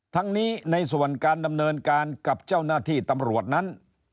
ทั้งนี้ในส่วนการดำเนินการกับเจ้าหน้าที่ตำรวจนั้น